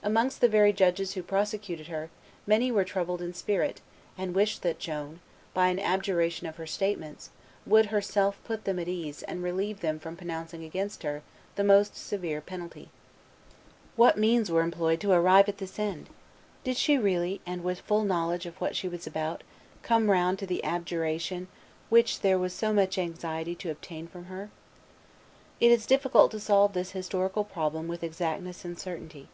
Amongst the very judges who prosecuted her, many were troubled in spirit, and wished that Joan, by an abjuration of her statements, would herself put them at ease and relieve them from pronouncing against her the most severe penalty. What means were employed to arrive at this end? Did she really, and with full knowledge of what she was about, come round to the adjuration which there was so much anxiety to obtain from her? It is difficult to solve this historical problem with exactness and certainty.